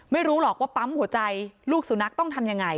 ไม่รู้หรอกว่าปั๊มหัวใจลูกสุนัขต้องทำยังไง